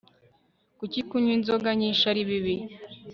Kuki kunywa inzoga nyinshi ari bibi